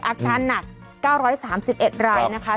อาการหนัก๙๓๑รายนะคะ